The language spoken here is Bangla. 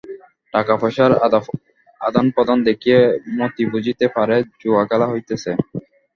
টাকাপয়সার আদানপ্রদান দেখিয়া মতি বুঝিতে পারে জুয়াখেলা হইতেছে।